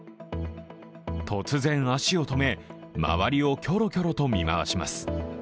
突然足を止め、周りをキョロキョロと見回します。